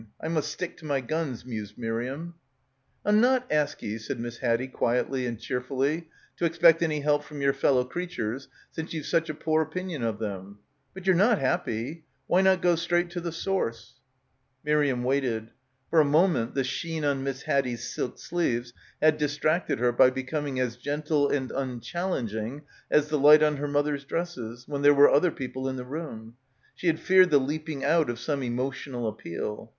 I must stick to my guns,' mused Miriam. "I'll not ask ye," said Miss Haddie quietly and cheerfully, "to expect any help from yer fellow creatures since ye've such a poor opinion of them. But ye' re not happy. Why not go straight to the source ?" Miriam waited. For a moment the sheen on Miss Haddie's silk sleeves had distracted her by becoming as gentle and unchallenging as the light on her mother's dresses when there were other people in the room. She had feared the leaping out of some emotional appeal.